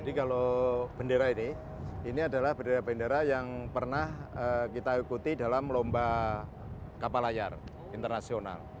jadi kalau bendera ini ini adalah bendera bendera yang pernah kita ikuti dalam lomba kapal layar internasional